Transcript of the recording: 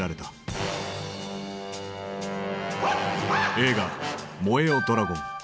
映画「燃えよドラゴン」。